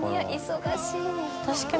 忙しい。